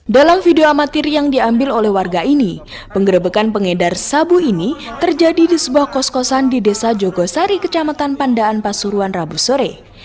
dalam video amatir yang diambil oleh warga ini penggerebekan pengedar sabu ini terjadi di sebuah kos kosan di desa jogosari kecamatan pandaan pasuruan rabu sore